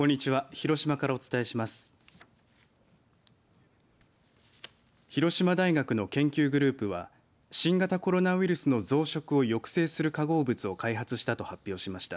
広島大学の研究グループは新型コロナウイルスの増殖を抑制する化合物を開発したと発表しました。